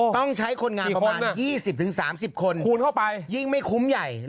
ต้องใช้คนงานประมาณ๒๐๓๐คนยิ่งไม่คุ้มใหญ่เลย